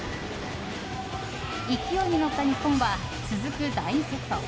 勢いに乗った日本は続く第２セット。